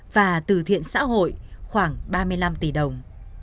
và từ thiện xã hội khoảng ba mươi năm tỷ đồng